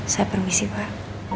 saya permisi pak